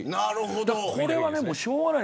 これはでも、しょうがない。